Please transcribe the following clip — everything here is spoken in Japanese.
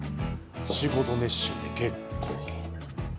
仕事熱心で結構。